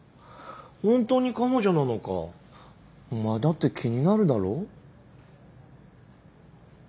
本当に彼女なのかお前だって気になるだろ？